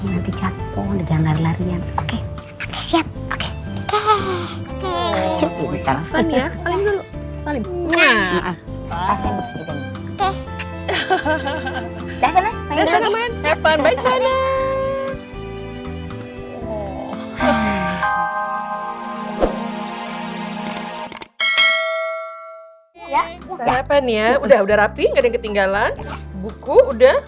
ya udah udah rapi ketinggalan buku udah